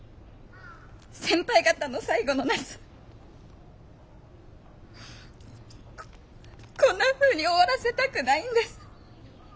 先輩方の最後の夏こんなふうに終わらせたくないんです。